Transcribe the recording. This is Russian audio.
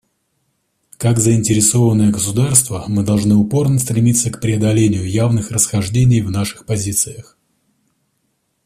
Как заинтересованные государства, мы должны упорно стремиться к преодолению явных расхождений в наших позициях.